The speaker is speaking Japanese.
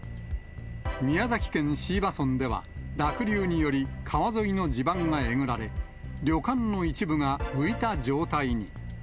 宮崎県椎葉村では、濁流により川沿いの地盤がえぐられ、旅館の一部が浮いた状態に。